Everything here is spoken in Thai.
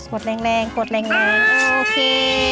กดแรงโอเค